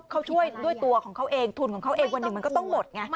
เราช่วยด้วยตัวของเค้าทุนของเค้าวันหนึ่งก็หมด